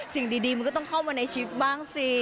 สิ่งดีมันก็ต้องเข้ามาในชีวิตบ้างสิ